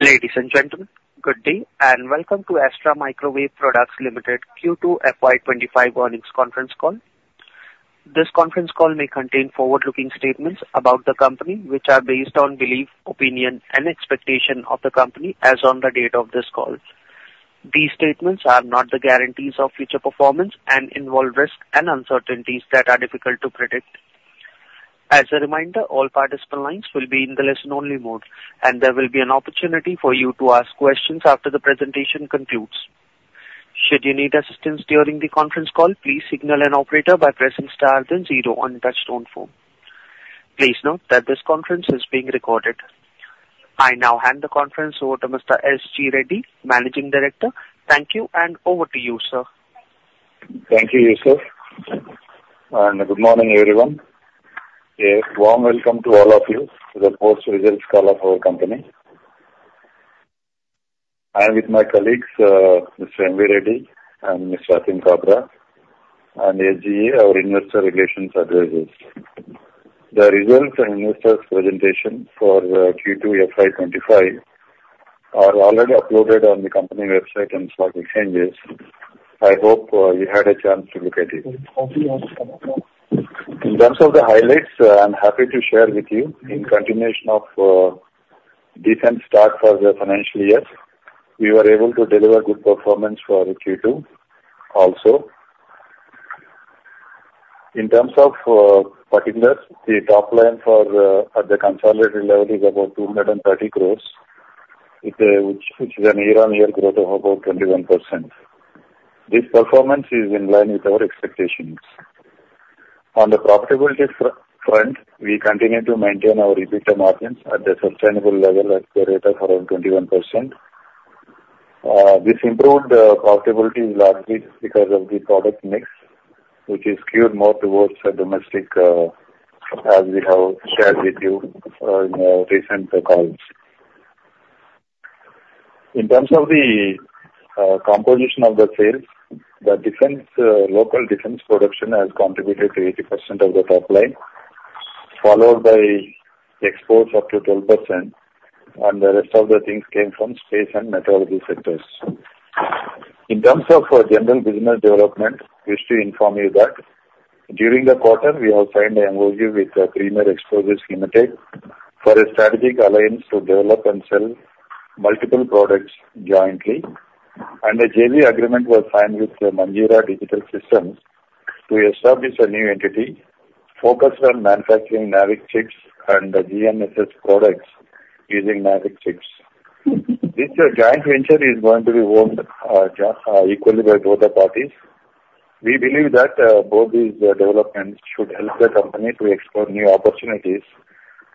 Ladies and gentlemen, good day and welcome to Astra Microwave Products Limited Q2 FY 25 earnings conference call. This conference call may contain forward-looking statements about the company, which are based on belief, opinion, and expectation of the company as on the date of this call. These statements are not the guarantees of future performance and involve risks and uncertainties that are difficult to predict. As a reminder, all participant lines will be in the listen-only mode, and there will be an opportunity for you to ask questions after the presentation concludes. Should you need assistance during the conference call, please signal an operator by pressing star then zero on the touch-tone phone. Please note that this conference is being recorded. I now hand the conference over to Mr. S. G. Reddy, Managing Director. Thank you, and over to you, sir. Thank you, Yusuf. Good morning, everyone. A warm welcome to all of you to the board's results call of our company. I am with my colleagues, Mr. M.V. Reddy and Mr. Atim Kabra, and SGA, our investor relations advisors. The results and investors' presentation for Q2 FY 25 are already uploaded on the company website and stock exchanges. I hope you had a chance to look at it. In terms of the highlights, I'm happy to share with you in continuation of the defense start for the financial year. We were able to deliver good performance for Q2 also. In terms of particulars, the top line at the consolidated level is about 230 crores, which is a year-on-year growth of about 21%. This performance is in line with our expectations. On the profitability front, we continue to maintain our EBITDA margins at the sustainable level at a rate of around 21%. This improved profitability is largely because of the product mix, which is skewed more towards domestic, as we have shared with you in our recent calls. In terms of the composition of the sales, the local defense production has contributed to 80% of the top line, followed by exports up to 12%, and the rest of the things came from space and meteorology sectors. In terms of general business development, I wish to inform you that during the quarter, we have signed an MoU with Premier Explosives Limited for a strategic alliance to develop and sell multiple products jointly, and a JV agreement was signed with Manjeera Digital Systems to establish a new entity focused on manufacturing NavIC chips and GNSS products using NavIC chips. This joint venture is going to be owned equally by both the parties. We believe that both these developments should help the company to explore new opportunities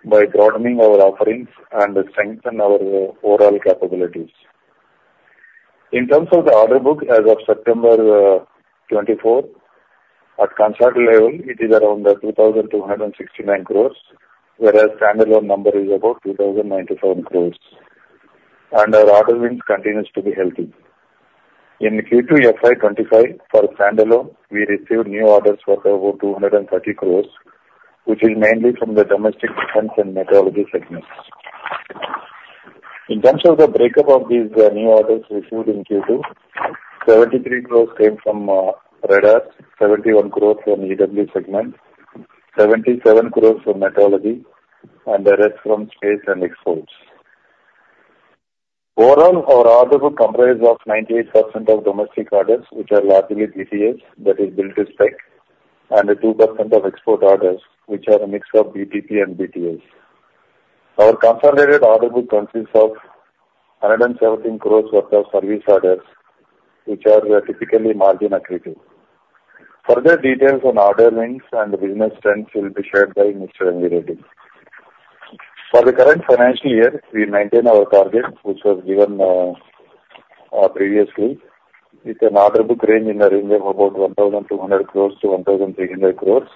by broadening our offerings and strengthen our overall capabilities. In terms of the order book, as of September 24, at consolidated level, it is around 2,269 crores, whereas standalone number is about 2,097 crores, and our order wins continue to be healthy. In Q2 FY 25, for standalone, we received new orders for over 230 crores, which is mainly from the domestic defense and meteorology segments. In terms of the breakup of these new orders received in Q2, 73 crores came from radars, 71 crores from EW segment, 77 crores from meteorology, and the rest from space and exports. Overall, our order book comprises of 98% of domestic orders, which are largely BTS, that is built to spec, and 2% of export orders, which are a mix of BTP and BTS. Our consolidated order book consists of 117 crores worth of service orders, which are typically margin-accretive. Further details on order wins and business trends will be shared by Mr. M.V. Reddy. For the current financial year, we maintain our target, which was given previously, with an order book range in the range of about 1,200-1,300 crores,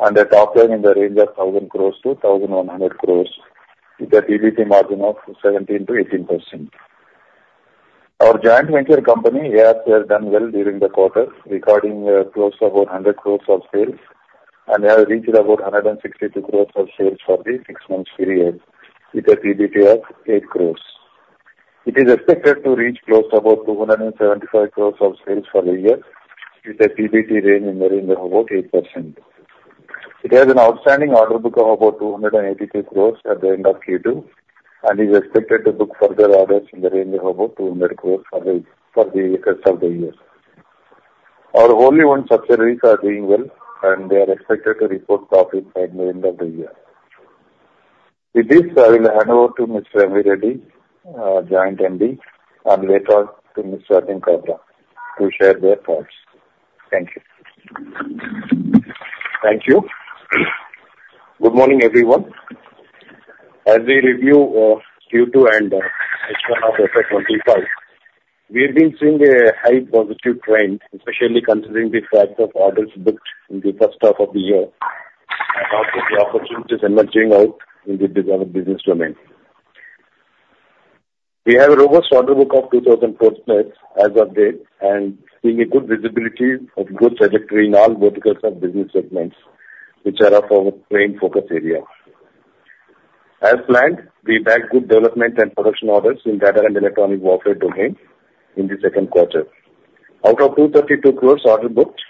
and a top line in the range of 1,000-1,100 crores, with a PBT margin of 17%-18%. Our joint venture company has done well during the quarter, recording close to about 100 crores of sales, and has reached about 162 crores of sales for the six-month period, with a PBT of 8 crores. It is expected to reach close to about 275 crores of sales for the year, with a PBT range in the range of about 8%. It has an outstanding order book of about 282 crores at the end of Q2, and is expected to book further orders in the range of about 200 crores for the rest of the year. Our wholly owned subsidiaries are doing well, and they are expected to report profits at the end of the year. With this, I will hand over to Mr. M. V. Reddy, Joint MD, and later on to Mr. Atim Kabra to share their thoughts. Thank you. Thank you. Good morning, everyone. As we review Q2 and H1 of FY 25, we have been seeing a high positive trend, especially considering the fact of orders booked in the first half of the year and also the opportunities emerging out in the business domain. We have a robust order book of 2,000 crores as of date and seeing a good visibility of good trajectory in all verticals of business segments, which are of our main focus area. As planned, we bagged good development and production orders in Radar and electronic warfare domain in the second quarter. Out of 232 crores order booked,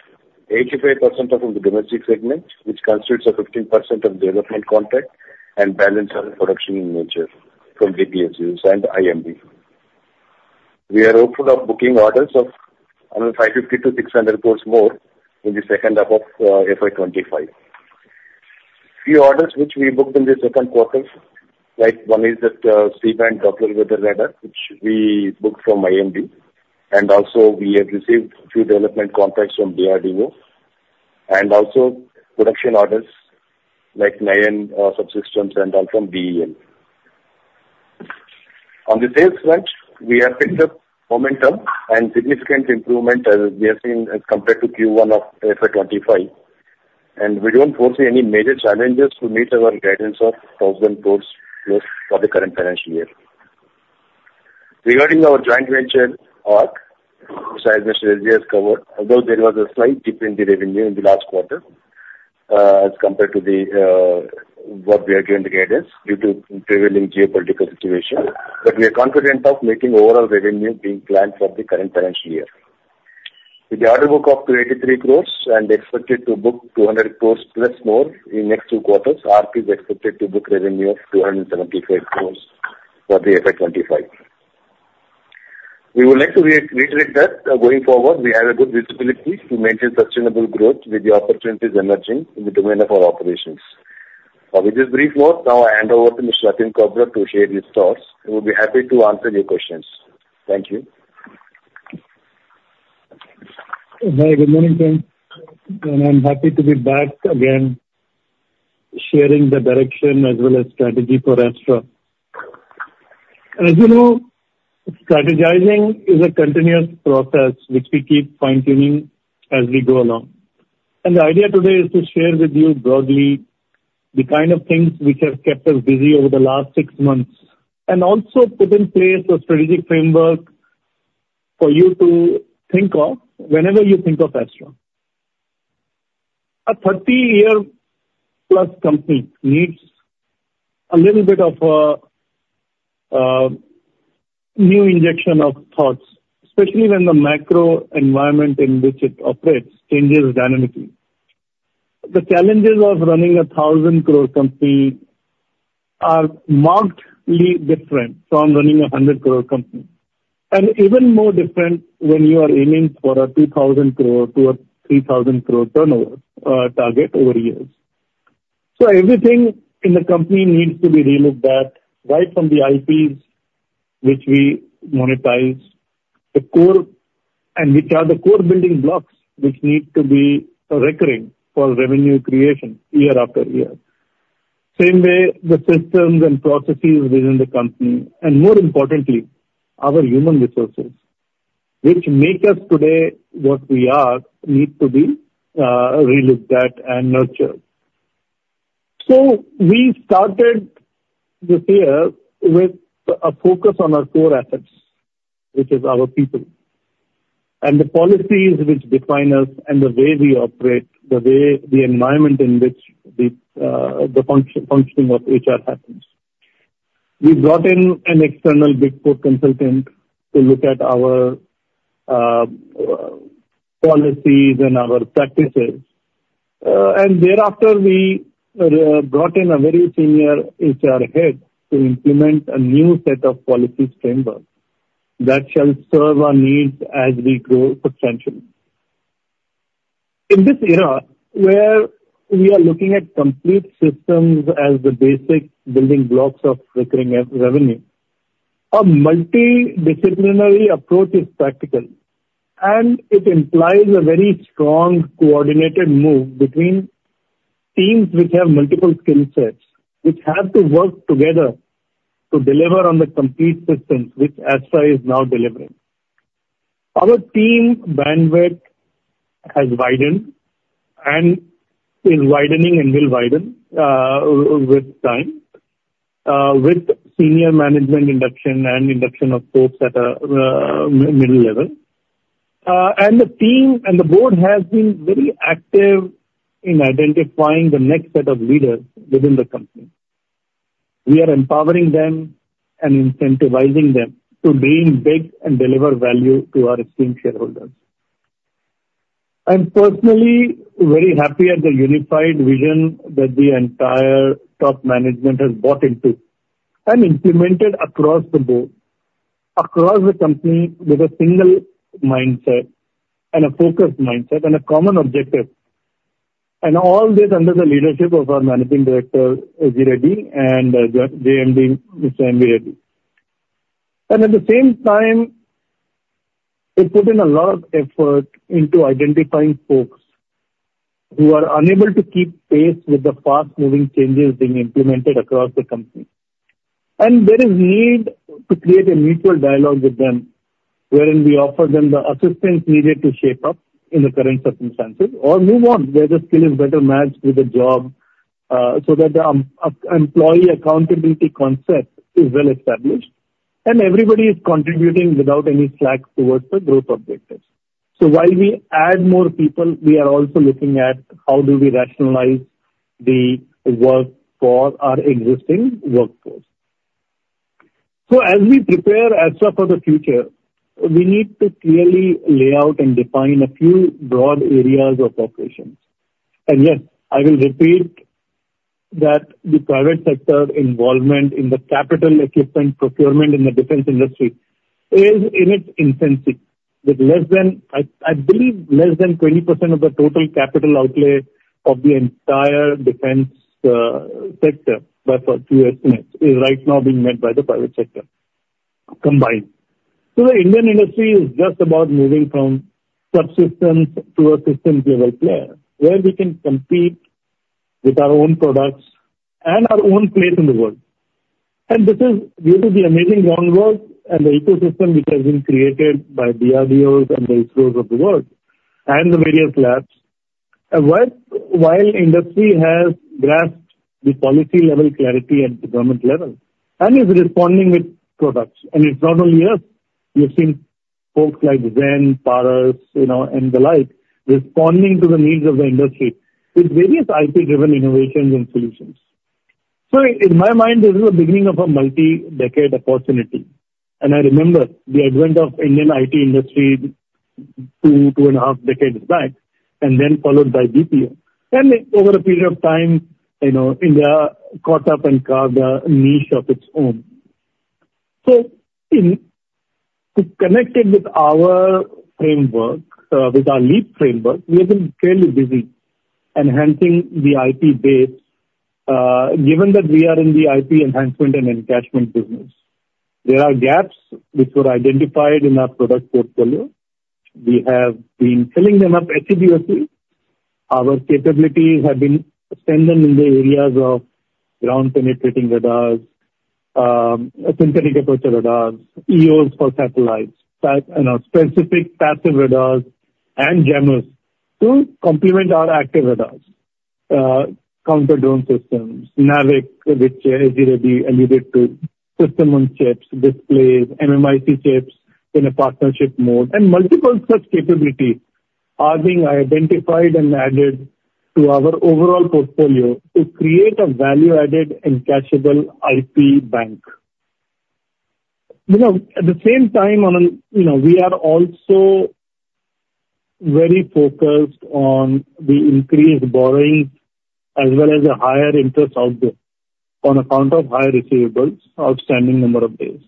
85% are from the domestic segment, which constitutes 15% of development contract and balance of production in nature from DPSUs and IMD. We are hopeful of booking orders of around 550-600 crores more in the second half of FY 25. Few orders which we booked in the second quarter, like one is that C-Band Doppler Weather Radar, which we booked from IMD, and also we have received a few development contracts from DRDO, and also production orders like Naval subsystems and all from BEL. On the sales front, we have picked up momentum and significant improvement as we have seen as compared to Q1 of FY 25, and we don't foresee any major challenges to meet our guidance of 1,000 crores for the current financial year. Regarding our joint venture ARC, which I as Mr. Reddy has covered, although there was a slight dip in the revenue in the last quarter as compared to what we had to indicate as due to prevailing geopolitical situation, but we are confident of making overall revenue being planned for the current financial year. With the order book of 283 crores and expected to book 200 crores plus more in the next two quarters, ARC is expected to book revenue of 275 crores for the FY 25. We would like to reiterate that going forward, we have a good visibility to maintain sustainable growth with the opportunities emerging in the domain of our operations. With this brief note, now I hand over to Mr. Atim Kabra to share his thoughts. He will be happy to answer your questions. Thank you. Hi, good morning, sir. And I'm happy to be back again sharing the direction as well as strategy for Astra. As you know, strategizing is a continuous process, which we keep fine-tuning as we go along. And the idea today is to share with you broadly the kind of things which have kept us busy over the last six months and also put in place a strategic framework for you to think of whenever you think of Astra. A 30-year-plus company needs a little bit of a new injection of thoughts, especially when the macro environment in which it operates changes dynamically. The challenges of running a 1,000-crore company are markedly different from running a 100-crore company, and even more different when you are aiming for a 2,000-crore to a 3,000-crore turnover target over years. So everything in the company needs to be relooked at right from the IPs which we monetize, and which are the core building blocks which need to be recurring for revenue creation year after year. Same way, the systems and processes within the company, and more importantly, our human resources, which make us today what we are, need to be relooked at and nurtured. So we started this year with a focus on our core assets, which is our people, and the policies which define us, and the way we operate, the way the environment in which the functioning of HR happens. We brought in an external Big Four consultant to look at our policies and our practices, and thereafter, we brought in a very senior HR head to implement a new set of policies framework that shall serve our needs as we grow substantially. In this era where we are looking at complete systems as the basic building blocks of recurring revenue, a multidisciplinary approach is practical, and it implies a very strong coordinated move between teams which have multiple skill sets, which have to work together to deliver on the complete systems which Astra is now delivering. Our team bandwidth has widened and is widening and will widen with time, with senior management induction and induction of folks at a middle level. And the team and the board have been very active in identifying the next set of leaders within the company. We are empowering them and incentivizing them to dream big and deliver value to our esteemed shareholders. I'm personally very happy at the unified vision that the entire top management has bought into and implemented across the board, across the company with a single mindset and a focused mindset and a common objective, and all this under the leadership of our Managing Director, S. G. Reddy, and Mr. M.V. Reddy. And at the same time, they put in a lot of effort into identifying folks who are unable to keep pace with the fast-moving changes being implemented across the company. And there is a need to create a mutual dialogue with them wherein we offer them the assistance needed to shape up in the current circumstances or move on where the skill is better matched with the job so that the employee accountability concept is well established, and everybody is contributing without any slack towards the growth objectives. So while we add more people, we are also looking at how do we rationalize the work for our existing workforce. So as we prepare Astra for the future, we need to clearly lay out and define a few broad areas of operations. And yes, I will repeat that the private sector involvement in the capital equipment procurement in the defense industry is in its infancy, with less than, I believe, less than 20% of the total capital outlay of the entire defense sector, but, for a few estimates, is right now being met by the private sector combined. So the Indian industry is just about moving from subsistence to a systems-level player where we can compete with our own products and our own place in the world. This is due to the amazing groundwork and the ecosystem which has been created by DRDO's and the HAL's of the world and the various labs. While industry has grasped the policy-level clarity at the government level and is responding with products, and it's not only us. You've seen folks like Zen, Paras, and the like responding to the needs of the industry with various IP-driven innovations and solutions. In my mind, this is the beginning of a multi-decade opportunity. I remember the advent of the Indian IT industry two, two and a half decades back, and then followed by BPO. Over a period of time, India caught up and carved a niche of its own. Connected with our framework, with our leap framework, we have been fairly busy enhancing the IP base. Given that we are in the IP enhancement and attachment business, there are gaps which were identified in our product portfolio. We have been filling them up assiduously. Our capabilities have been extended in the areas of ground-penetrating radars, synthetic aperture radars, EOs for satellites, specific passive radars, and jammers to complement our active radars, counter-drone systems, NavIC, which is needed to system on chips, displays, MMIC chips in a partnership mode, and multiple such capabilities are being identified and added to our overall portfolio to create a value-added and cashable IP bank. At the same time, we are also very focused on the increased borrowing as well as a higher interest output on account of higher receivables outstanding number of days.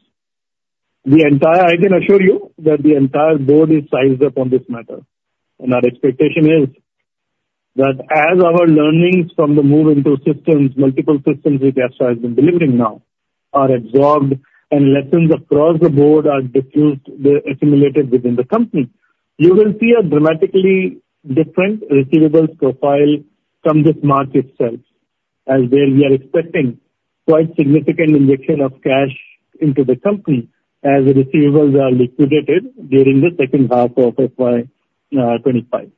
I can assure you that the entire board is sized up on this matter. And our expectation is that as our learnings from the move into systems, multiple systems which Astra has been delivering now are absorbed and lessons across the board are diffused, accumulated within the company, you will see a dramatically different receivables profile from this market itself, as we are expecting quite significant injection of cash into the company as the receivables are liquidated during the second half of FY 25.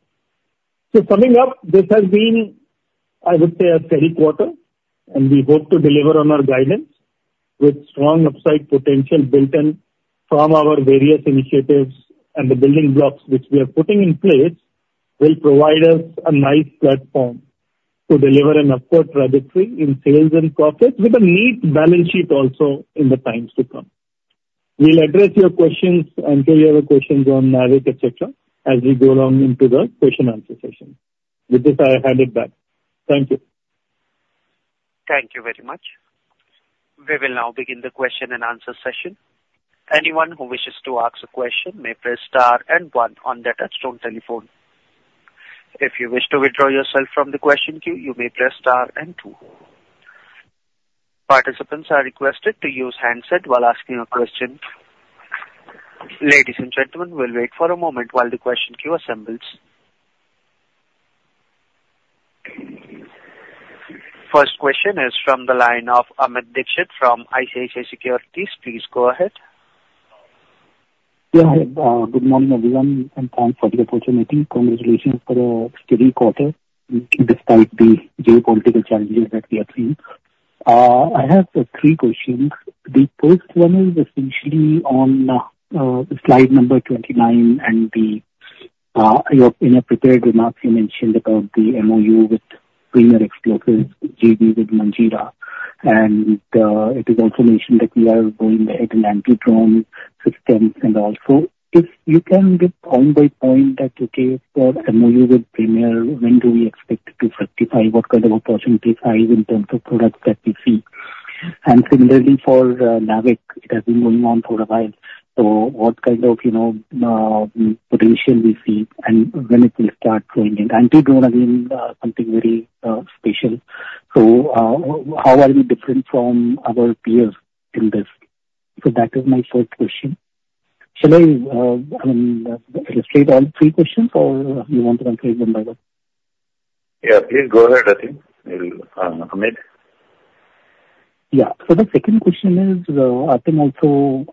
So summing up, this has been, I would say, a steady quarter, and we hope to deliver on our guidance with strong upside potential built in from our various initiatives, and the building blocks which we are putting in place will provide us a nice platform to deliver an upward trajectory in sales and profits with a neat balance sheet also in the times to come. We'll address your questions and clear your questions on NavIC, etc., as we go along into the question-answer session. With this, I hand it back. Thank you. Thank you very much. We will now begin the question and answer session. Anyone who wishes to ask a question may press star and one on their touch-tone telephone. If you wish to withdraw yourself from the question queue, you may press star and two. Participants are requested to use handset while asking a question. Ladies and gentlemen, we'll wait for a moment while the question queue assembles. First question is from the line of Amit Dixit from ICICI Securities. Please go ahead. Yeah, good morning, everyone, and thanks for the opportunity. Congratulations for a steady quarter despite the geopolitical challenges that we have seen. I have three questions. The first one is essentially on slide number 29, and in a prepared remark, you mentioned about the MOU with Premier Explosives, JV with Manjeera, and it is also mentioned that we are going ahead in anti-drone systems. And also, if you can get point by point that, okay, for MOU with Premier, when do we expect to fructify? What kind of opportunities are there in terms of products that we see? And similarly for NavIC, it has been going on for a while. So what kind of potential do we see, and when it will start going in? Anti-drone, again, something very special. So how are we different from our peers in this? So that is my first question. Shall I illustrate all three questions, or do you want to answer them by them? Yeah, please go ahead, I think. Amit. Yeah. So the second question is, I think also,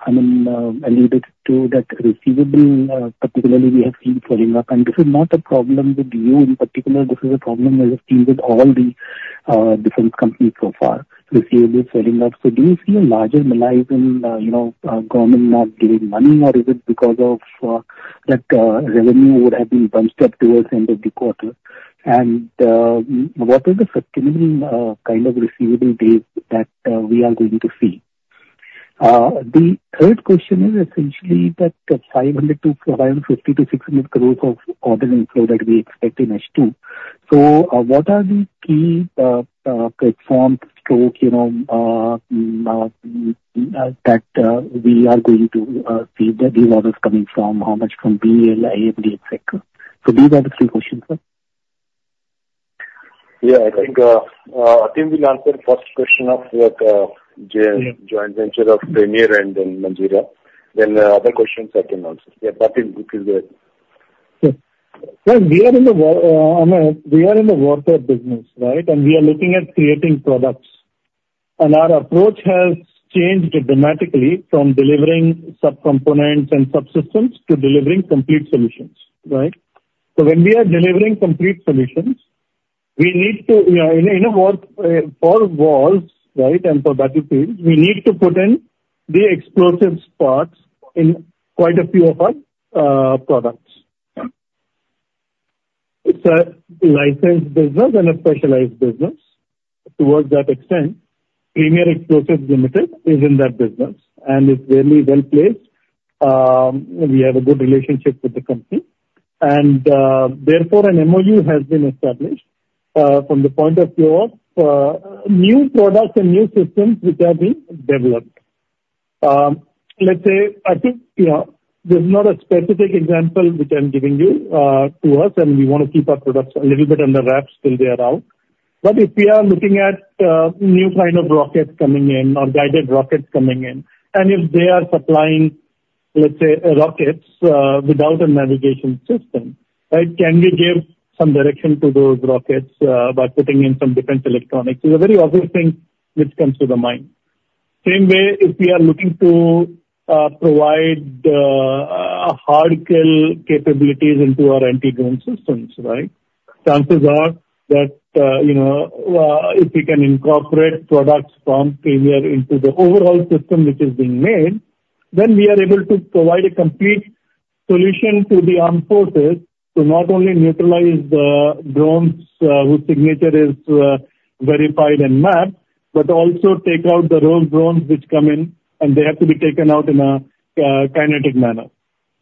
I mean, alluded to the receivables, particularly we have seen swelling up. And this is not a problem with you in particular. This is a problem we have seen with all the different companies so far, receivables swelling up. So do you see a larger malaise in government not giving money, or is it because of that revenue would have been bunched up towards the end of the quarter? And what are the sustainable kind of receivable days that we are going to see? The third question is essentially that 550-600 crores of order inflow that we expect in H2. So what are the key platforms that we are going to see that these orders coming from? How much from BEL, IMD, etc.? So these are the three questions, sir. Yeah, I think we'll answer the first question of that joint venture of Premier and then Manjeera. Then the other questions, I can answer. Yeah, that is good. Sure. Well, we are in the—I mean, we are in the warfare business, right? And we are looking at creating products. And our approach has changed dramatically from delivering subcomponents and subsystems to delivering complete solutions, right? So when we are delivering complete solutions, we need to, in a war for wars, right, and for battlefields, we need to put in the explosive parts in quite a few of our products. It's a licensed business and a specialized business. Towards that extent, Premier Explosives Limited is in that business, and it's very well placed. We have a good relationship with the company. And therefore, an MOU has been established from the point of view of new products and new systems which have been developed. Let's say, I think there's not a specific example which I'm giving you to us, and we want to keep our products a little bit under wraps till they are out. But if we are looking at new kind of rockets coming in or guided rockets coming in, and if they are supplying, let's say, rockets without a navigation system, right, can we give some direction to those rockets by putting in some different electronics? It's a very obvious thing which comes to the mind. Same way, if we are looking to provide hard kill capabilities into our anti-drone systems, right? Chances are that if we can incorporate products from Premier into the overall system which is being made, then we are able to provide a complete solution to the armed forces to not only neutralize the drones whose signature is verified and mapped, but also take out the rogue drones which come in, and they have to be taken out in a kinetic manner.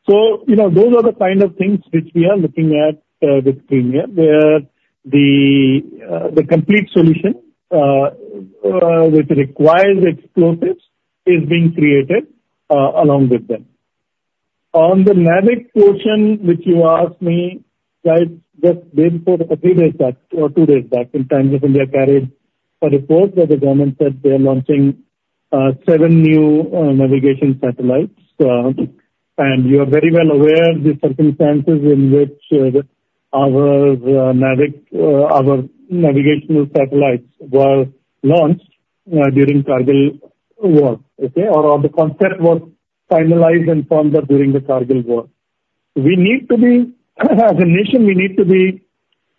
So those are the kind of things which we are looking at with Premier, where the complete solution which requires explosives is being created along with them. On the NavIC portion, which you asked me, right, just three days back or two days back, the Times of India carried a report that the government said they are launching seven new navigation satellites. You are very well aware of the circumstances in which our navigational satellites were launched during Kargil war, okay, or the concept was finalized and formed during the Kargil war. We need to be, as a nation, we need to be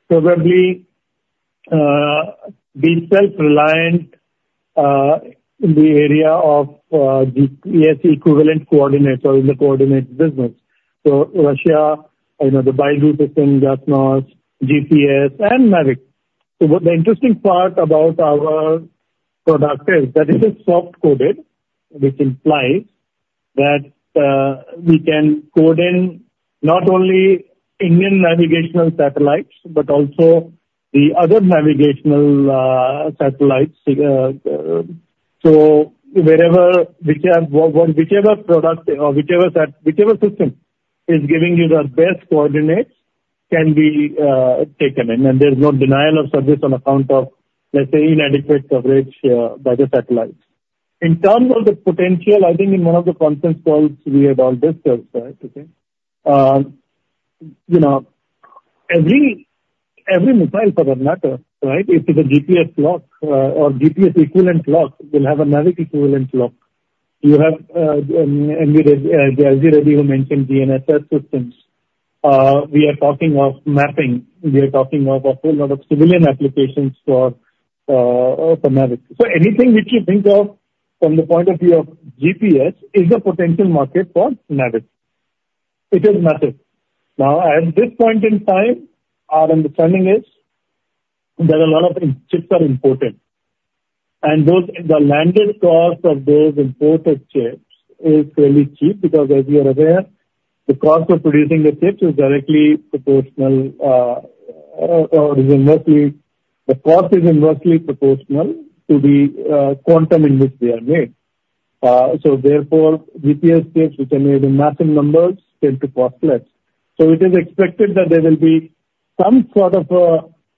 probably self-reliant in the area of GPS equivalent coordinates or in the coordinate business. Russia, the BeiDou, GLONASS, GPS, and NavIC. The interesting part about our product is that it is soft-coded, which implies that we can code in not only Indian navigational satellites, but also the other navigational satellites. Whichever product or whichever system is giving you the best coordinates can be taken in. There's no denial of service on account of, let's say, inadequate coverage by the satellites. In terms of the potential, I think in one of the conference calls we had all discussed, right, okay, every missile for that matter, right, if it's a GPS lock or GPS equivalent lock, you'll have a NavIC equivalent lock. You have BeiDou, GLONASS ready who mentioned GNSS systems. We are talking of mapping. We are talking of a whole lot of civilian applications for NavIC. So anything which you think of from the point of view of GPS is a potential market for NavIC. It is massive. Now, at this point in time, our understanding is that a lot of chips are imported, and the landed cost of those imported chips is fairly cheap because, as you are aware, the cost of producing the chips is directly proportional or is inversely proportional to the quantum in which they are made. So therefore, GPS chips, which are made in massive numbers, tend to cost less. So it is expected that there will be some sort of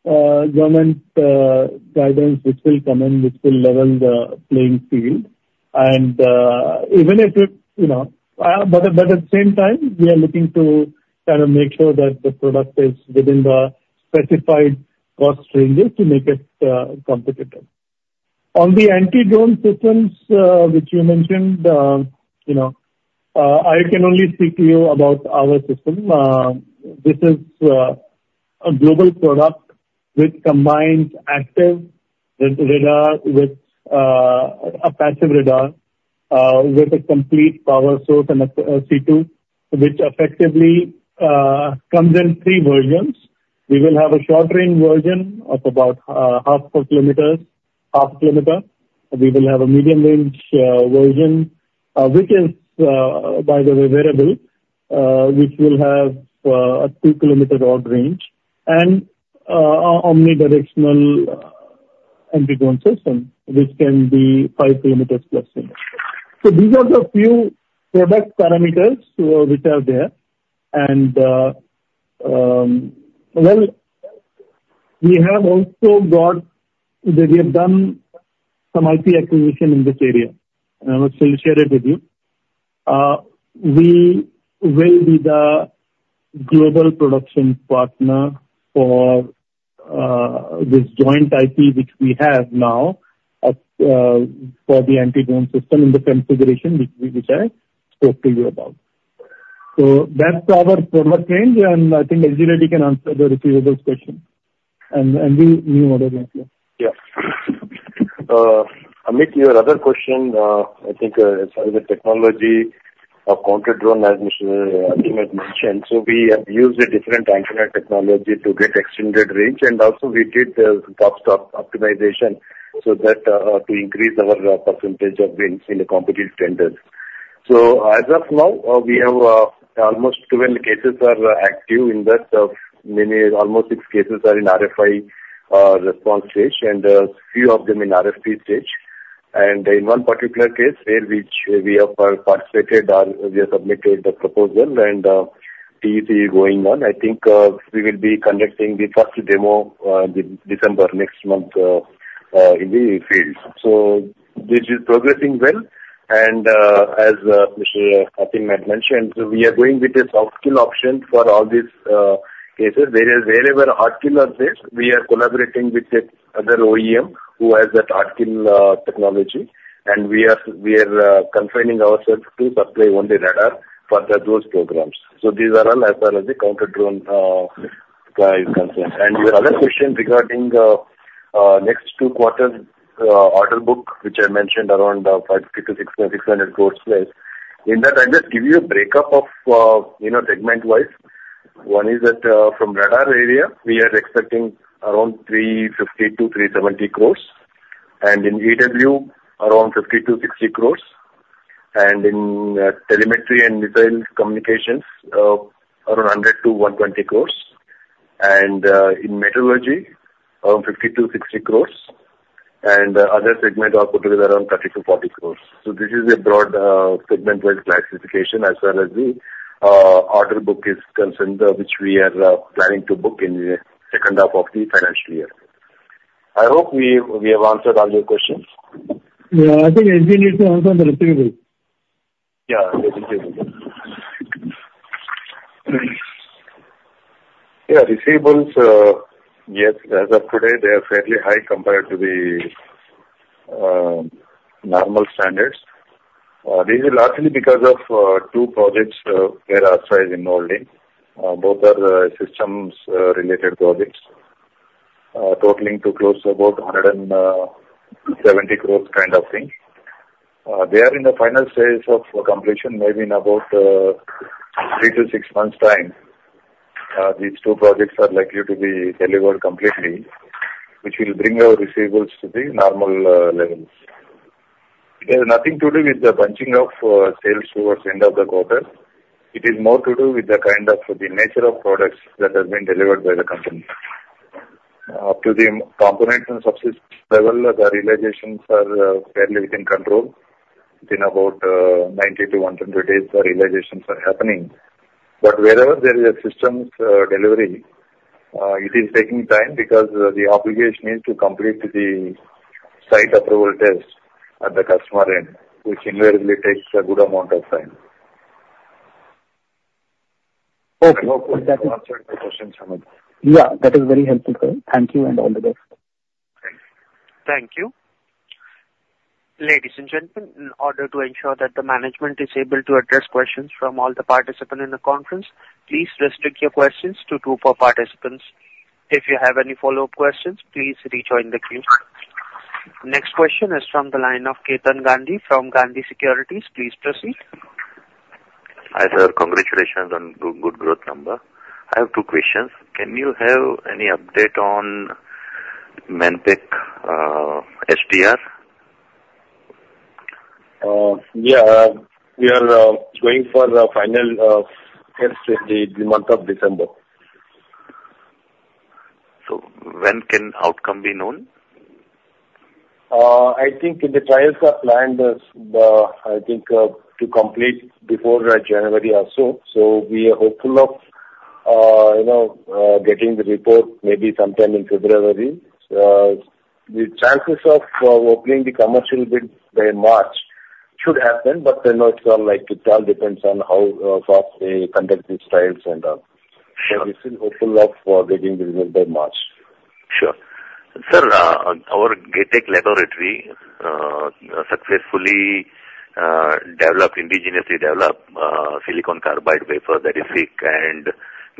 government guidance which will come in, which will level the playing field. And even if it but at the same time, we are looking to kind of make sure that the product is within the specified cost ranges to make it competitive. On the anti-drone systems, which you mentioned, I can only speak to you about our system. This is a global product with combined active radar with a passive radar with a complete power source and a C2, which effectively comes in three versions. We will have a short-range version of about half a kilometer. We will have a medium-range version, which is, by the way, variable, which will have a two-kilometer odd range, and an omnidirectional anti-drone system which can be five kilometers plus unit. So these are the few product parameters which are there. Well, we have done some IP acquisition in this area. I will share it with you. We will be the global production partner for this joint IP which we have now for the anti-drone system in the configuration which I spoke to you about. So that's our product range, and I think M.V. Reddy can answer the receivables question. We'll move on to the next one. Yeah. Amit, your other question, I think it's a technology of counter-drone, as Mr. Amit mentioned. So we have used a different anti-drone technology to get extended range. And also, we did the cost optimization so that to increase our percentage of wins in the competitive tenders. So as of now, we have almost 12 cases that are active in that many almost six cases are in RFI response stage and a few of them in RFP stage. And in one particular case where we have participated, we have submitted the proposal and TEC is going on. I think we will be conducting the first demo in December next month in the field. So this is progressing well. And as Mr. Amit mentioned, we are going with the soft-kill option for all these cases. Wherever hard-kill are there, we are collaborating with the other OEM who has that hard-kill technology. We are confining ourselves to supply only radar for those programs. These are all as far as the counter-drone guys concerned. Your other question regarding next two quarter order book, which I mentioned around 50-600 crores space, in that I just give you a breakup of segment-wise. One is that from radar area, we are expecting around 350-370 crores. In EW, around 50-60 crores. In telemetry and missile communications, around 100-120 crores. In meteorology, around 50-60 crores. Other segment are put together around 30-40 crores. This is a broad segment-wise classification as far as the order book is concerned, which we are planning to book in the second half of the financial year. I hope we have answered all your questions. Yeah, I think LG needs to answer the receivables. Yeah, the receivables. Yeah, receivables, yes, as of today, they are fairly high compared to the normal standards. This is largely because of two projects where our side is involved in. Both are systems-related projects, totaling to close to about 170 crores kind of thing. They are in the final stage of completion, maybe in about three to six months' time. These two projects are likely to be delivered completely, which will bring our receivables to the normal levels. It has nothing to do with the bunching of sales towards the end of the quarter. It is more to do with the kind of the nature of products that have been delivered by the company. Up to the components and subsystems level, the realizations are fairly within control. Within about 90-120 days, the realizations are happening. But wherever there is a systems delivery, it is taking time because the obligation is to complete the site approval test at the customer end, which invariably takes a good amount of time. Okay. I hope that answered the questions, Amit. Yeah, that is very helpful, sir. Thank you and all the best. Thank you. Thank you. Ladies and gentlemen, in order to ensure that the management is able to address questions from all the participants in the conference, please restrict your questions to two or four participants. If you have any follow-up questions, please rejoin the queue. Next question is from the line of Ketan Gandhi from Gandhi Securities. Please proceed. Hi sir, congratulations on good growth number. I have two questions. Can you have any update on Manpack SDR? Yeah, we are going for the final test in the month of December. When can outcome be known? I think the trials are planned, I think, to complete before January or so. So we are hopeful of getting the report maybe sometime in February. The chances of opening the commercial bid by March should happen, but it's all like it all depends on how fast they conduct these trials and all. But we're still hopeful of getting the result by March. Sure. Sir, our GAETEC laboratory successfully developed, indigenously developed silicon carbide wafer that is SiC and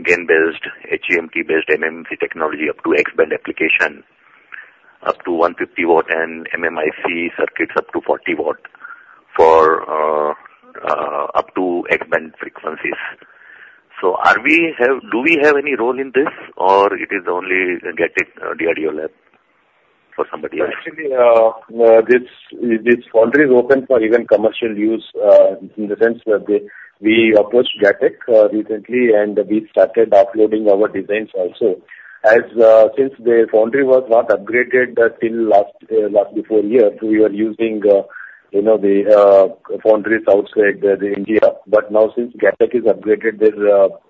GaN-based, HEMT-based MMIC technology up to X-Band application, up to 150 watt, and MMIC circuits up to 40 watt for up to X-Band frequencies. So do we have any role in this, or it is only GAETEC DRDO Lab for somebody else? Actually, this foundry is open for even commercial use in the sense that we approached GAETEC recently, and we started uploading our designs also. Since the foundry was not upgraded till last year, we were using the foundries outside India. But now, since GAETEC has upgraded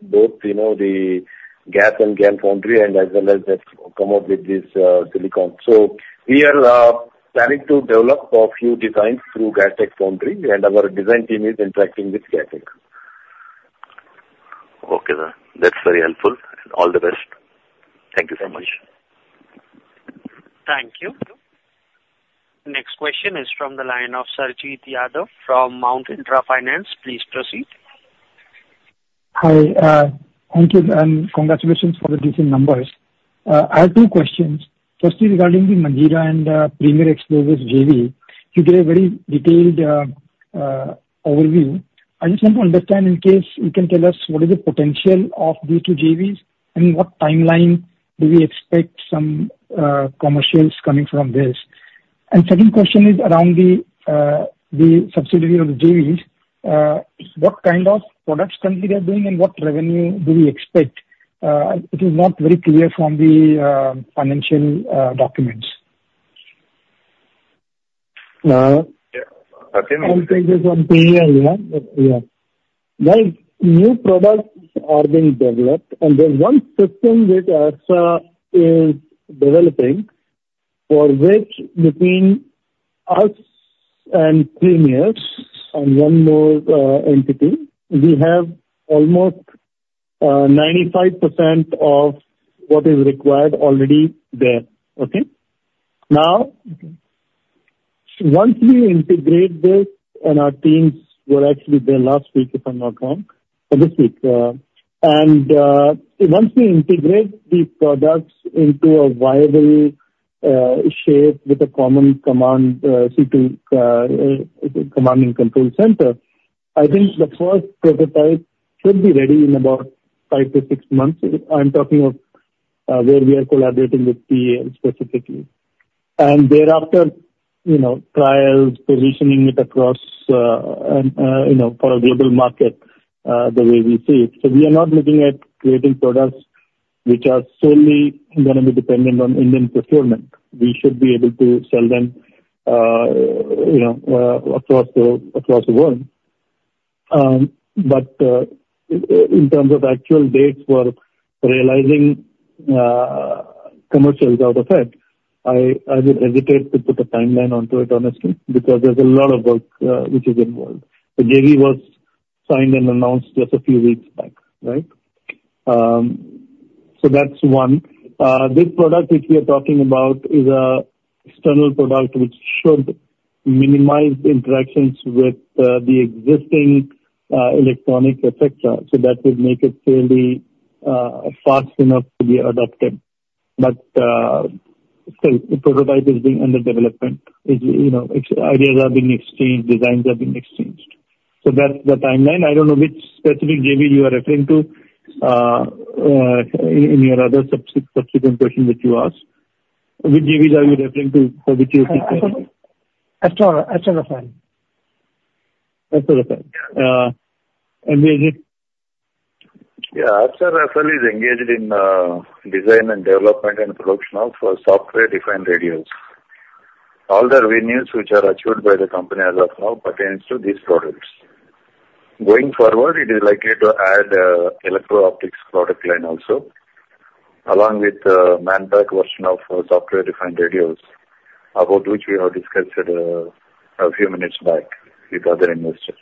both the GaAs and GaN foundry and as well as have come up with this SiC. So we are planning to develop a few designs through GAETEC foundry, and our design team is interacting with GAETEC. Okay then. That's very helpful. All the best. Thank you so much. Thank you. Next question is from the line of Sarjeet Yadav from Mount Intra Finance. Please proceed. Hi, thank you, and congratulations for the decent numbers. I have two questions. Firstly, regarding the Manjeera and Premier Explosives JV, you gave a very detailed overview. I just want to understand in case you can tell us what is the potential of these two JVs and what timeline do we expect some commercials coming from this, and second question is around the subsidiary of the JVs. What kind of products currently they are doing and what revenue do we expect? It is not very clear from the financial documents. Yeah, I think. All pages are clear, yeah? Yeah. Well, new products are being developed, and there's one system which Astra is developing for which between us and Premier and one more entity, we have almost 95% of what is required already there, okay? Now, once we integrate this and our teams were actually there last week, if I'm not wrong, or this week, and once we integrate these products into a viable shape with a common command C2 command and control center, I think the first prototype should be ready in about five to six months. I'm talking of where we are collaborating with HAL specifically, and thereafter, trials, positioning it across for a global market the way we see it, so we are not looking at creating products which are solely going to be dependent on Indian procurement. We should be able to sell them across the world. But in terms of actual dates for realizing commercials out of it, I would hesitate to put a timeline onto it, honestly, because there's a lot of work which is involved. The JV was signed and announced just a few weeks back, right? So that's one. This product which we are talking about is an external product which should minimize interactions with the existing electronics, etc. So that would make it fairly fast enough to be adopted. But still, the prototype is being under development. Ideas are being exchanged. Designs are being exchanged. So that's the timeline. I don't know which specific JV you are referring to in your other subsequent question that you asked. Which JVs are you referring to for which you are thinking? Astra Rafael. Astra Rafael. Engaged? Yeah, Astra Rafael is engaged in design and development and production of software-defined radios. All the revenues which are achieved by the company as of now pertains to these products. Going forward, it is likely to add an electro-optics product line also, along with the manpack version of software-defined radios, about which we have discussed a few minutes back with other investors.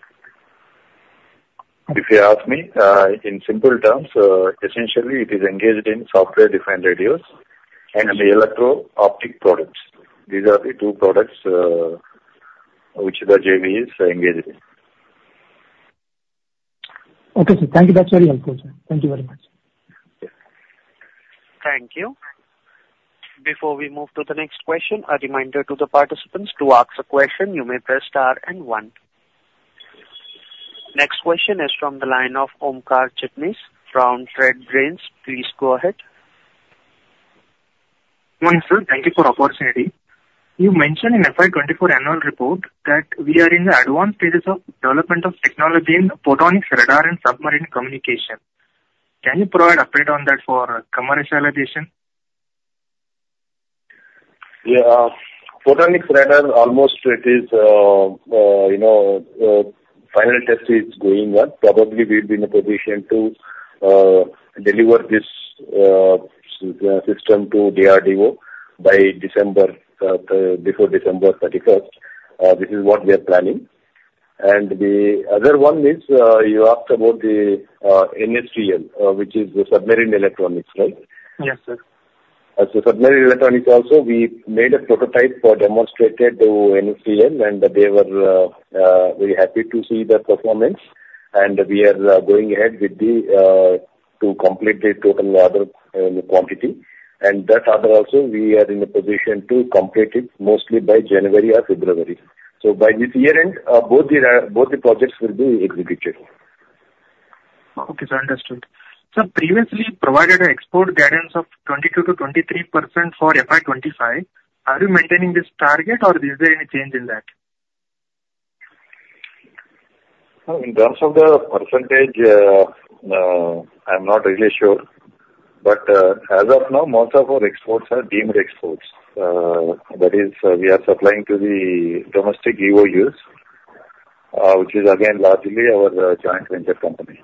If you ask me, in simple terms, essentially, it is engaged in software-defined radios and the electro-optics products. These are the two products which the JV is engaged in. Okay, sir. Thank you. That's very helpful, sir. Thank you very much. Thank you. Before we move to the next question, a reminder to the participants to ask a question. You may press star and one. Next question is from the line of Omkar Chitnis from Trade Brains. Please go ahead. One, sir, thank you for the opportunity. You mentioned in FY 24 annual report that we are in the advanced stages of development of technology in photonics, radar, and submarine communication. Can you provide update on that for commercialization? Yeah, photonics radar. Almost it is final test is going on. Probably we'll be in a position to deliver this system to DRDO by December, before December 31st. This is what we are planning. And the other one is you asked about the NSTL, which is the submarine electronics, right? Yes, sir. Submarine electronics also, we made a prototype for demonstrated to NSTL, and they were very happy to see the performance. We are going ahead with the to complete the total quantity. That other also, we are in a position to complete it mostly by January or February. By this year end, both the projects will be executed. Okay, sir, understood. Sir, previously provided an export guidance of 22%-23% for FY 25. Are you maintaining this target, or is there any change in that? In terms of the percentage, I'm not really sure. But as of now, most of our exports are deemed exports. That is, we are supplying to the domestic EOUs, which is again largely our joint venture company.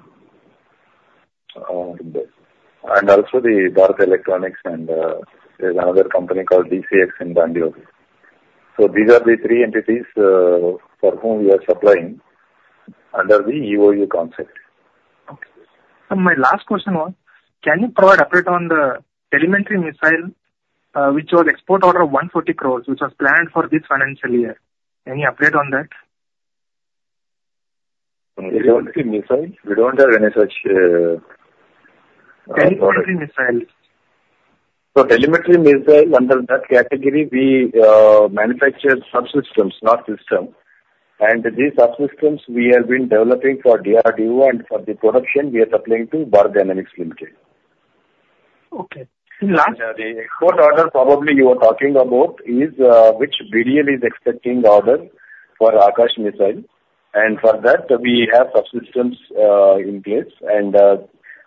And also the Bharat Electronics, and there's another company called DCX in Bangalore. So these are the three entities for whom we are supplying under the EOU concept. Okay. And my last question was, can you provide update on the telemetry missile, which was export order of 140 crores, which was planned for this financial year? Any update on that? Telemetry missile? We don't have any such order. Telemetry missiles. Telemetry missile under that category, we manufacture subsystems, not systems. These subsystems we have been developing for DRDO, and for the production, we are supplying to Bharat Dynamics Limited. Okay. The last. And the export order probably you were talking about is which BDL is expecting order for Akash missile. And for that, we have subsystems in place, and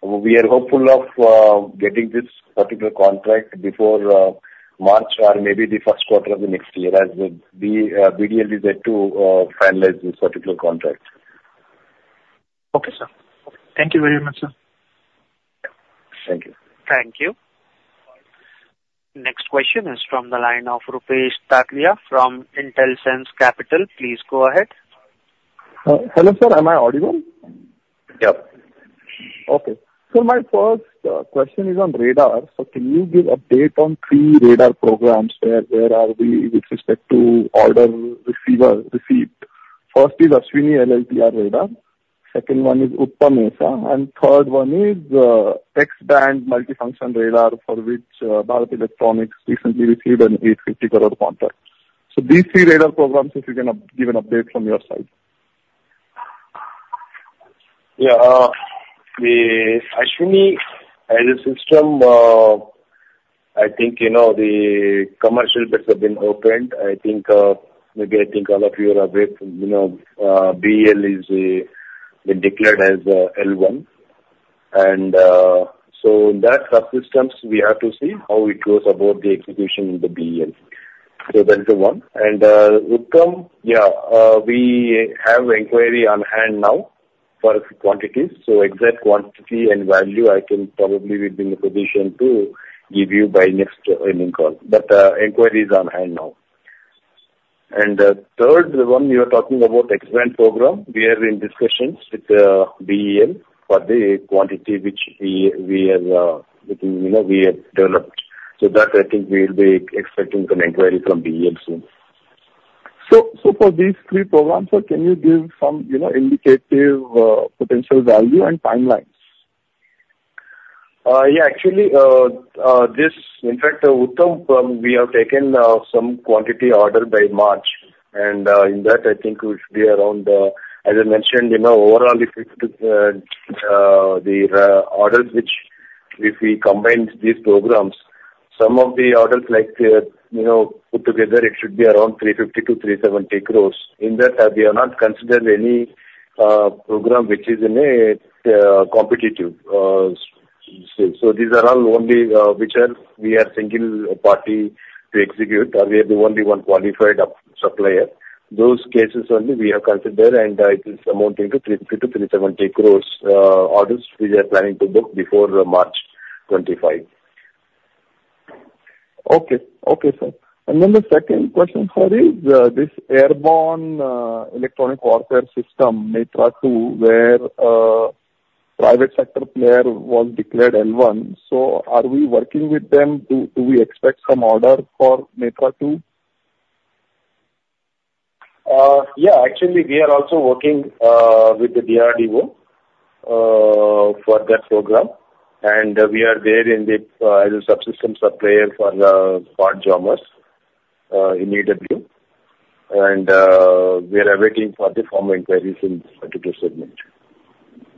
we are hopeful of getting this particular contract before March or maybe the first quarter of the next year as the BDL is yet to finalize this particular contract. Okay, sir. Thank you very much, sir. Thank you. Thank you. Next question is from the line of Rupesh Tatiya from Intelsense Capital. Please go ahead. Hello sir, am I audible? Yep. Okay. So my first question is on radar. So can you give update on three radar programs? Where are we with respect to order receipt? First is Ashwini LLTR radar. Second one is Uttam. And third one is X-Band multifunction radar for which Bharat Electronics recently received an 850 crore contract. So these three radar programs, if you can give an update from your side. Yeah, the Ashwini as a system, I think the commercial bits have been opened. I think maybe I think all of you are aware, BDL has been declared as L1. And so in that subsystems, we have to see how it goes about the execution in the BDL. So that's the one. And Uttam, yeah, we have inquiry on hand now for quantities. So exact quantity and value, I can probably be in the position to give you by next earnings call. But inquiry is on hand now. And third, the one you were talking about, X-band program, we are in discussions with BDL for the quantity which we have developed. So that, I think we will be expecting an inquiry from BDL soon. So for these three programs, sir, can you give some indicative potential value and timelines? Yeah, actually, this in fact, Uttam, we have taken some quantity order by March. And in that, I think it would be around, as I mentioned, overall, if the orders which if we combine these programs, some of the orders like put together, it should be around 350-370 crores. In that, we have not considered any program which is in a competitive. So these are all only which we are single party to execute, or we are the only one qualified supplier. Those cases only we have considered, and it is amounting to 350-370 crores orders which we are planning to book before March 25. Okay. Okay, sir. And then the second question, sir, is this airborne electronic warfare system, Netra 2, where private sector player was declared L1. So are we working with them? Do we expect some order for Netra 2? Yeah, actually, we are also working with the DRDO for that program. And we are there as a subsystem supplier for Bharat Dynamics in EW. And we are awaiting further formal inquiries in Netra 2 segment.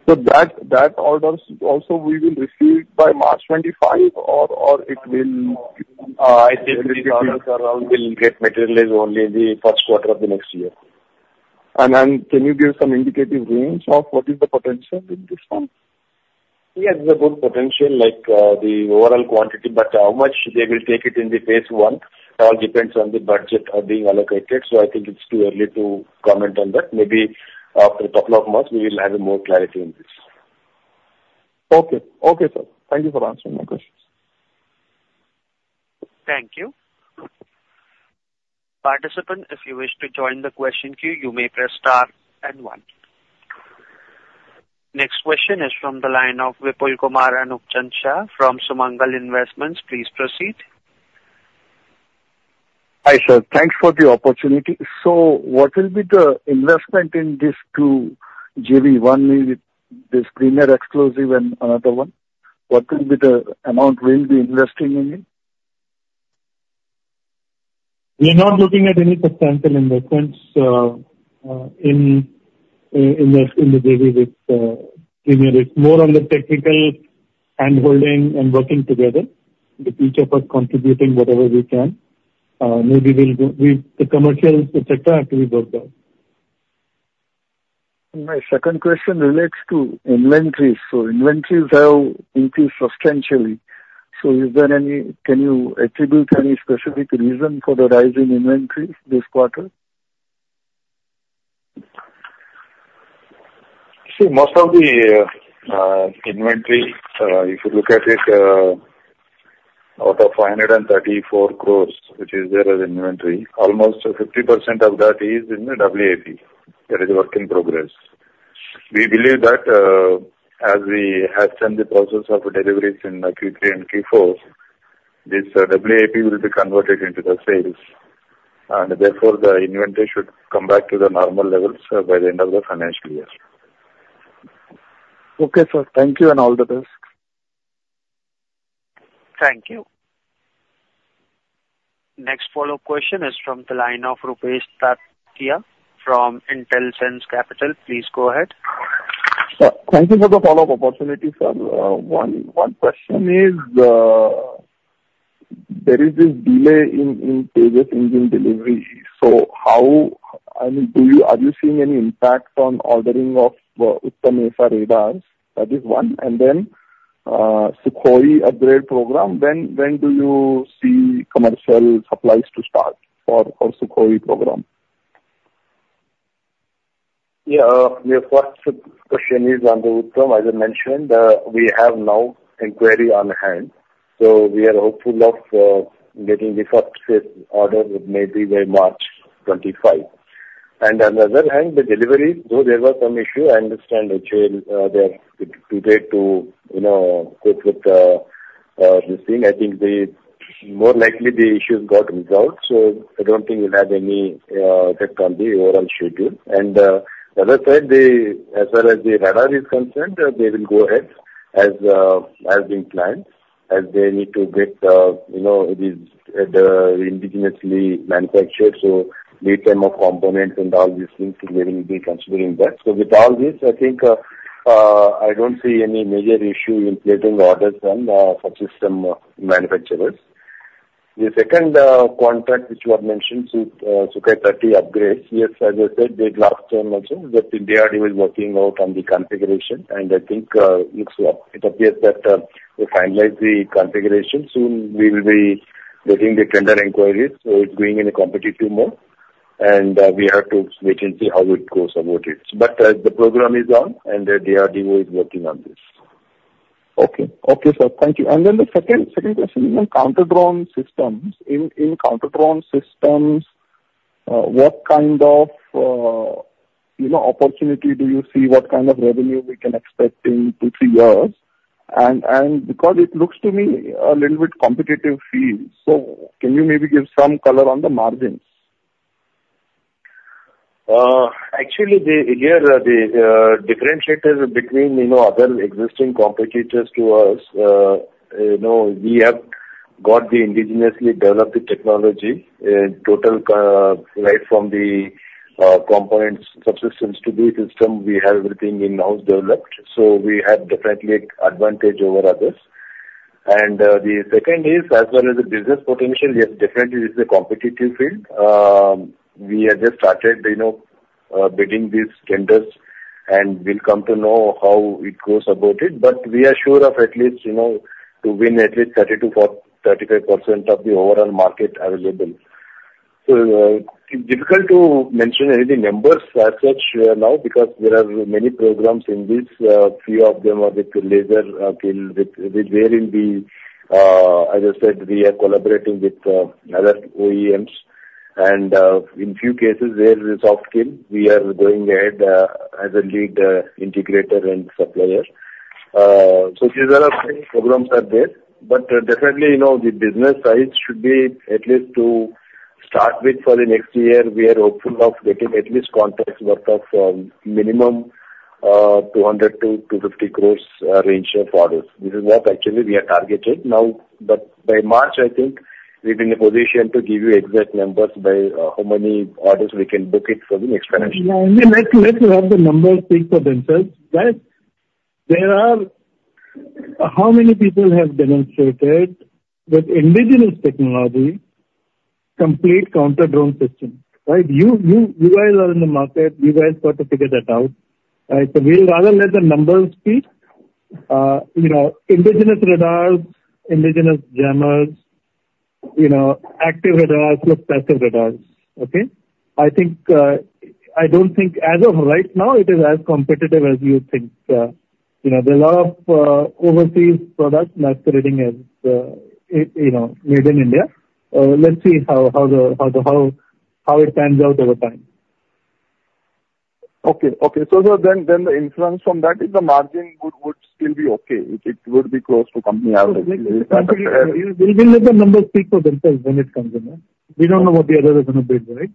So, that orders also we will receive by March 25, or it will? I think materials will get materialized only in the first quarter of the next year. Can you give some indicative range of what is the potential in this one? Yes, there's a good potential, like the overall quantity. But how much they will take it in the phase I, all depends on the budget being allocated. So I think it's too early to comment on that. Maybe after a couple of months, we will have more clarity on this. Okay. Okay, sir. Thank you for answering my questions. Thank you. Participant, if you wish to join the question queue, you may press star and one. Next question is from the line of Vipul Kumar Amichand Shah from Sumangal Investments. Please proceed. Hi sir, thanks for the opportunity. So what will be the investment in these two JV, one with the Premier Explosives and another one? What will be the amount we'll be investing in? We're not looking at any substantial investments in the JV with Premier. It's more on the technical handholding and working together. Then each of us contributing whatever we can. Maybe we'll go with the commercials, etc., after we go there. My second question relates to inventories. So inventories have increased substantially. So, can you attribute any specific reason for the rise in inventories this quarter? See, most of the inventory, if you look at it, out of 534 crores, which is there as inventory, almost 50% of that is in the WIP that is work in progress. We believe that as we have sent the process of deliveries in Q3 and Q4, this WIP will be converted into the sales. And therefore, the inventory should come back to the normal levels by the end of the financial year. Okay, sir. Thank you and all the best. Thank you. Next follow-up question is from the line of Rupesh Tatiya from Intelsense Capital. Please go ahead. Thank you for the follow-up opportunity, sir. One question is there is this delay in GE's engine delivery. So how are you seeing any impact on ordering of Uttam radars? That is one. And then Sukhoi upgrade program, when do you see commercial supplies to start for Sukhoi program? Yeah, my first question is on the Uttam, as I mentioned. We have now inquiry on hand. So we are hopeful of getting the first order maybe by March 25. And on the other hand, the delivery, though there was some issue, I understand they are too late to cope with the thing. I think more likely the issues got resolved. So I don't think we'll have any effect on the overall schedule. And as I said, as far as the radar is concerned, they will go ahead as being planned as they need to get these indigenously manufactured. So lead time of components and all these things, they will be considering that. So with all this, I think I don't see any major issue in placing orders on subsystem manufacturers. The second contract, which was mentioned, Sukhoi 30 upgrades, yes, as I said, they drafted them also. DRDO is working out on the configuration. I think it appears that they finalize the configuration soon. We will be getting the tender inquiries. It's going in a competitive mode. We have to wait and see how it goes about it. The program is on, and DRDO is working on this. Okay. Okay, sir. Thank you. And then the second question is on counter-drone systems. In counter-drone systems, what kind of opportunity do you see? What kind of revenue we can expect in two to three years? And because it looks to me a little bit competitive field, so can you maybe give some color on the margins? Actually, here the differentiators between other existing competitors to us, we have got the indigenously developed technology, total right from the components, subsystems to the system. We have everything in-house developed. So we have definitely an advantage over others. And the second is, as well as the business potential, yes, definitely it's a competitive field. We have just started bidding these tenders, and we'll come to know how it goes about it. But we are sure of at least to win at least 30%-35% of the overall market available. So it's difficult to mention any numbers as such now because there are many programs in this. Few of them are with laser kill, wherein we, as I said, we are collaborating with other OEMs. And in few cases where soft kill, we are going ahead as a lead integrator and supplier. So these are programs out there. But definitely, the business size should be at least to start with for the next year. We are hopeful of getting at least contracts worth of minimum 200-250 crore range of orders. This is what actually we are targeted now. But by March, I think we'll be in a position to give you exact numbers by how many orders we can book it for the next financial year. Let the numbers speak for themselves. Right? How many people have demonstrated with indigenous technology complete counter-drone system? Right? You guys are in the market. You guys got to figure that out. So we'd rather let the numbers speak. Indigenous radars, indigenous jammers, active radars, plus passive radars. Okay? I don't think as of right now, it is as competitive as you think. There's a lot of overseas products masquerading as made in India. Let's see how it pans out over time. Okay. So then the influence from that is the margin would still be okay. It would be close to company average. We'll let the numbers speak for themselves when it comes in. We don't know what the others are going to bid, right?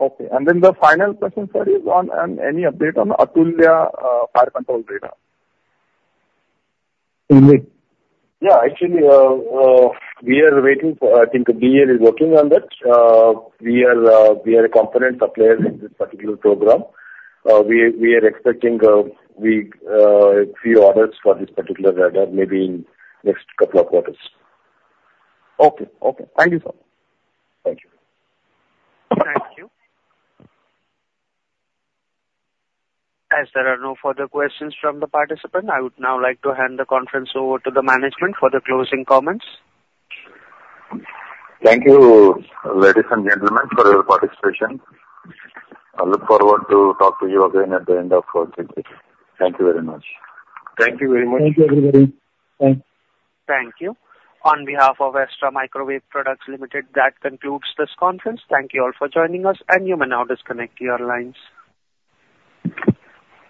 Okay, and then the final question, sir, is on any update on Atulya fire control radar? In which? Yeah, actually, we are waiting for, I think BDL is working on that. We are a component supplier in this particular program. We are expecting a few orders for this particular radar maybe in the next couple of quarters. Okay. Okay. Thank you, sir. Thank you. Thank you. As there are no further questions from the participant, I would now like to hand the conference over to the management for the closing comments. Thank you, ladies and gentlemen, for your participation. I look forward to talking to you again at the end of the day. Thank you very much. Thank you very much. Thank you, everybody. Thanks. Thank you. On behalf of Astra Microwave Products Limited, that concludes this conference. Thank you all for joining us, and you may now disconnect your lines.